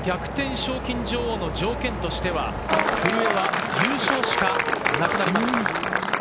賞金女王の条件としては、古江は優勝しかなくなります。